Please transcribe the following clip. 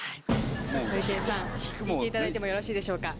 ホリケンさん引いていただいてもよろしいでしょうか？